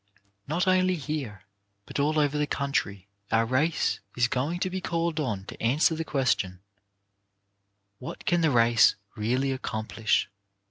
Not only here, but all over the country, our race is going to be called on to answer the question: "What can the race really accomplish